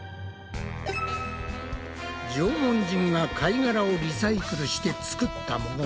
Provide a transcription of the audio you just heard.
縄文人が貝がらをリサイクルしてつくったもの。